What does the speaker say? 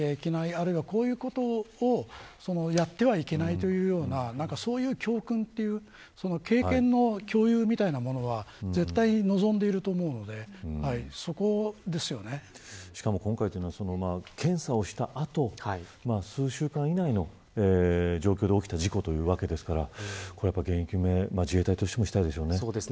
あるいは、こういうことをやってはいけないというようなそういう教訓という経験の共有みたいなものは絶対に望んでいると思うのでしかも今回は検査をした後数週間以内の状況で起きた事故というわけですから原因究明を、自衛隊としてもしたいでしょうね。